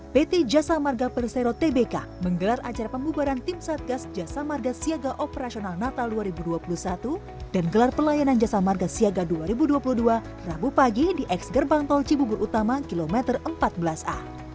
pt jasa marga persero tbk menggelar acara pembubaran tim satgas jasa marga siaga operasional natal dua ribu dua puluh satu dan gelar pelayanan jasa marga siaga dua ribu dua puluh dua rabu pagi di eks gerbang tol cibubur utama kilometer empat belas a